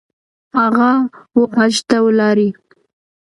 هغه ، وحج ته ولاړی